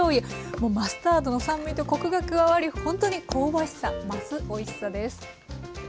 もうマスタードの酸味とこくが加わりほんとに香ばしさ増すおいしさです。